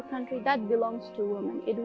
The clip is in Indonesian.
itu bergantung pada wanita